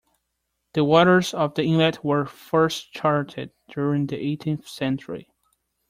The waters of the inlet were first charted during the eighteenth century.